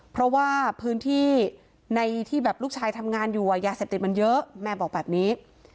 เพราะว่าพื้นที่ในที่แบบลูกชายทำงานอยู่ยาเสพติดมันเยอะแม่บอกแบบนี้